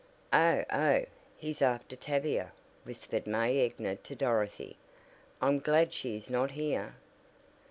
"Oh, oh, he's after Tavia!" whispered May Egner to Dorothy. "I'm glad she is not here."